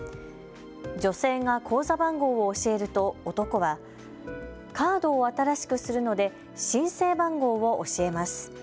女性が口座番号を教えると男はカードを新しくするので申請番号を教えます。